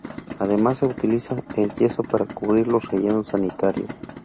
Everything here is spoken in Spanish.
Además, se utiliza el yeso para cubrir los rellenos sanitarios.